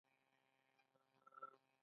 د موټر اواز باید متوازن وي.